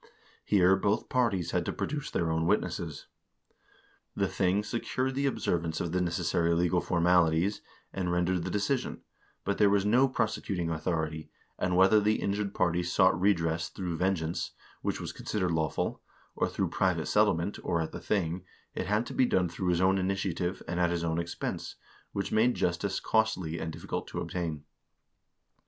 Here both parties had to produce their own witnesses. The thing secured the observ ance of the necessary legal formalities, and rendered the decision, but there was no prosecuting authority, and whether the injured party sought redress through vengeance, which was considered lawful, or through private settlement, or at the thing, it had to be done through his own initiative, and at his own expense, which made justice costly and difficult to obtain.